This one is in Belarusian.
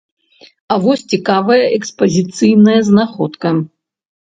А вось цікавая экспазіцыйная знаходка.